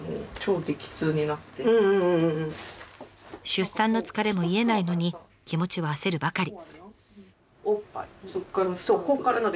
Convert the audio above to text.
出産の疲れも癒えないのに気持ちは焦るばかり。